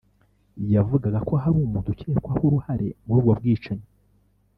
yavugaga ko hari umuntu ukekwaho uruhare muri ubwo bwicanyi